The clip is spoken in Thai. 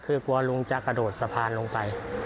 คือกลัวลุงจะกระโดดสะพานลงไป